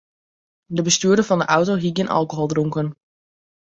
De bestjoerder fan de auto hie gjin alkohol dronken.